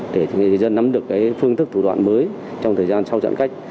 để người dân nắm được phương thức thủ đoạn mới trong thời gian sau giãn cách